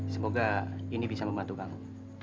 semoga ini bisa membantu kamu